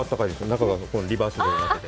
中がリバーシブルになってて。